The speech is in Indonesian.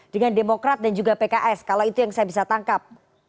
dengan demokrat dan juga pks kalau itu yang saya bisa tangkap